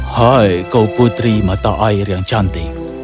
hai kau putri mata air yang cantik